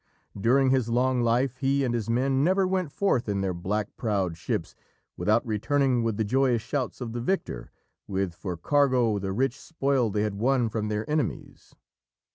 During his long life he and his men never went forth in their black prowed ships without returning with the joyous shouts of the victor, with for cargo the rich spoil they had won from their enemies.